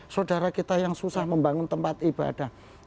saudara kita yang susah membangun tempat ibadah